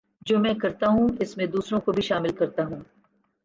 جو میں کرتا ہوں اس میں دوسروں کو بھی شامل کرتا ہوں